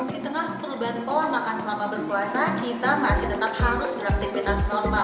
di tengah perubahan pola makan selama berpuasa kita masih tetap harus beraktivitas normal